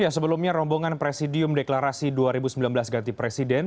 sebelumnya rombongan presidium deklarasi dua ribu sembilan belas ganti presiden